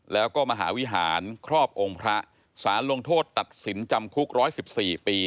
แล้วก็มหาวิหารครอบองค์พระสารลงโทษตัดสินจำคุก๑๑๔ปี